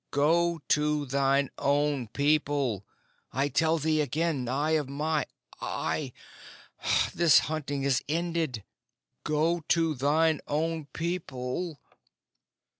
Go to thine own people. I tell thee again, eye of my eye, this hunting is ended. Go to thine own people."